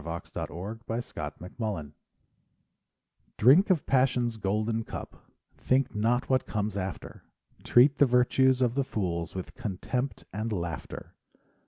[ 39 ] SONGS AND DREAMS Omar Khayyam Drink of Passion's golden cup, Think not what comes after; Treat the virtues of the fools With contempt and laughter.